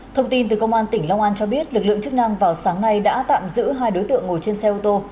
thông tin từ công an tỉnh long an cho biết lực lượng chức năng vào sáng nay đã tạm giữ hai đối tượng ngồi trên xe ô tô